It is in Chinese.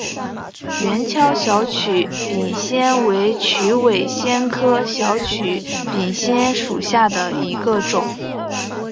圆锹小曲柄藓为曲尾藓科小曲柄藓属下的一个种。